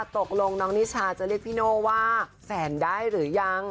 ตกลงน้องนิชาจะเรียกพี่โน่ว่าแฟนได้หรือยัง